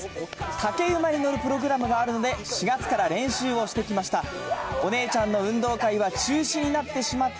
竹馬に乗るプログラムがあるので、４月から練習をしてきました。